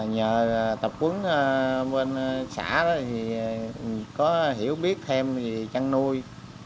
nhờ tập huấn bên xã thì có hiểu biết thêm gì trăn nuôi